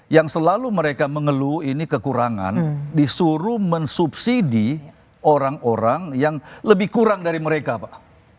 yang selalu mereka mengeluh ini kekurangan disuruh mensubsidi orang orang yang lebih kurang dari mereka pak